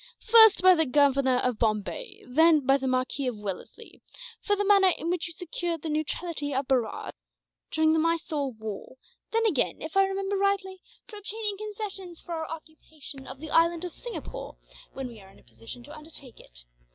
First, by the Governor of Bombay; then by the Marquis of Wellesley, for the manner in which you secured the neutrality of Berar, during the Mysore war; then again, if I remember rightly, for obtaining concessions for our occupation of the island of Singapore, when we are in a position to undertake it.